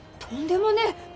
とんでもねえ。